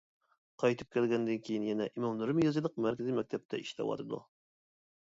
قايتىپ كەلگەندىن كىيىن يەنە ئىماملىرىم يېزىلىق مەركىزى مەكتەپتە ئىشلەۋاتىدۇ.